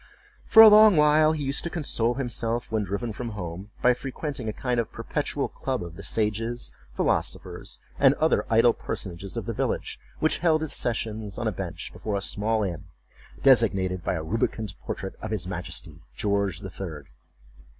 For a long while he used to console himself, when driven from home, by frequenting a kind of perpetual club of the sages, philosophers, and other idle personages of the village; which held its sessions on a bench before a small inn, designated by a rubicund portrait of His Majesty George the Third.